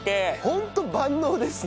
ホント万能ですね。